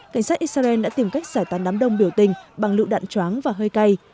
cảnh sát israel đã tìm cách giải tán đám đông biểu tình bằng lựu đạn chóng và hơi cay